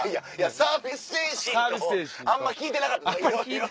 サービス精神とあんま聞いてなかったいろいろ。